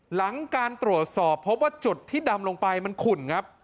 หลังการตรวจสอบพบว่าจุดที่ดำลงไปมันขุ่นครับ